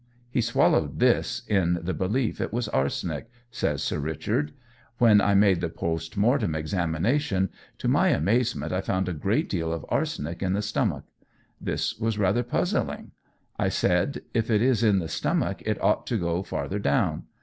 He swallowed this, in the belief it was arsenic," says Sir Richard. "When I made the post mortem examination, to my amazement I found a great deal of arsenic in the stomach. This was rather puzzling. I said, if it is in the stomach it ought to go farther down.